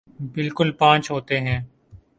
بالکل پانچ ہوتے ہیں